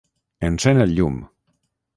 Encén el llum.